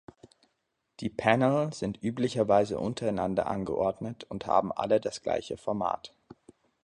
Die Panel sind üblicherweise untereinander angeordnet und haben alle das gleiche Format.